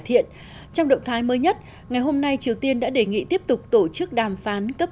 thiện trong động thái mới nhất ngày hôm nay triều tiên đã đề nghị tiếp tục tổ chức đàm phán cấp